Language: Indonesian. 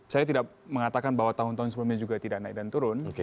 saya tidak mengatakan bahwa tahun tahun sebelumnya juga tidak naik dan turun